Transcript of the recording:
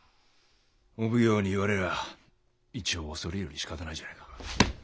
お奉行に言われりゃ一応恐れ入るよりしかたないじゃないか。